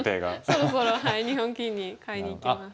そろそろ日本棋院に買いにいきます。